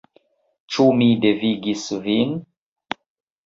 Ĉu mi devigis vin —?